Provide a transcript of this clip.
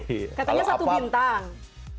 katanya satu bintang